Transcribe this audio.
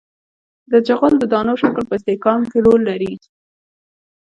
د جغل د دانو شکل په استحکام کې رول لري